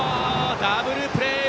ダブルプレー！